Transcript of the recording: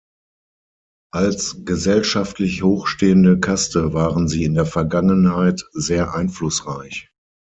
Als gesellschaftlich hochstehende Kaste waren sie in der Vergangenheit sehr einflussreich.